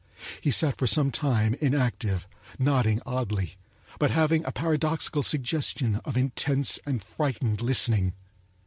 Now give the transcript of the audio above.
He sat for some time inactive, nodding oddly, but having a paradoxical suggestion of intense and frightened listening.